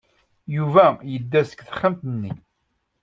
Yuba yedda seg texxamt-nni.